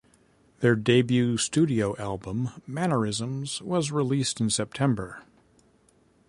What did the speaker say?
Their debut studio album, "Mannerisms", was released in September.